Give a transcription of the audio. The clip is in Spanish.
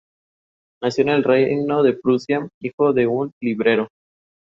El escudo simboliza las tres grandes en el municipio.